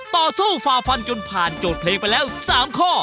ต่อสู้ฝ่าฟันจนผ่านโจทย์เพลงไปแล้ว๓ข้อ